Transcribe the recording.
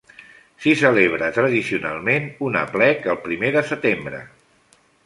S'hi celebra tradicionalment un aplec el primer de setembre.